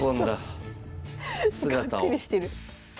がっくりしてる。